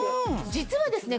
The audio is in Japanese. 実はですね